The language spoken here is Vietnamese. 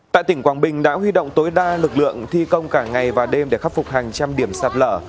tại tỉnh quảng bình đã huy động tối đa lực lượng thi công cả ngày và đêm để khắc phục hàng trăm điểm sạt lở